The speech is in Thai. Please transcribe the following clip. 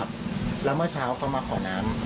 แล้วเมื่อเช้าเขามาขอน้ำ